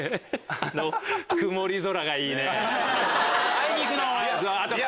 あいにくの。